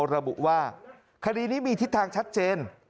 ระบุว่าคดีนี้มีทิศทางชัดเจน